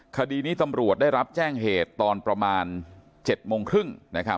คดีนี้ตำรวจได้รับแจ้งเหตุตอนประมาณ๗โมงครึ่ง